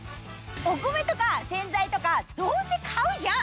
お米とか洗剤とかどうせ買うじゃん！